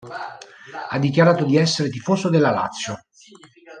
Ha dichiarato di essere tifoso della Lazio.